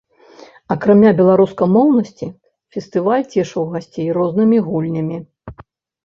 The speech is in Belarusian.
Акрамя беларускамоўнасці, фестываль цешыў гасцей рознымі гульнямі.